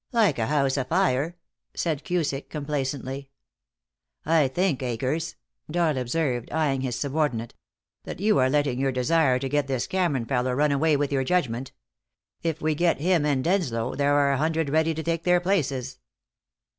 "Like a house a fire," said Cusick, complacently. "I think, Akers," Doyle observed, eyeing his subordinate, "that you are letting your desire to get this Cameron fellow run away with your judgment. If we get him and Denslow, there are a hundred ready to take their places."